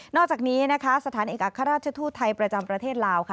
อกจากนี้นะคะสถานเอกอัครราชทูตไทยประจำประเทศลาวค่ะ